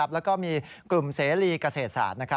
แล้วก็มีกลุ่มเสรีเกษตรศาสตร์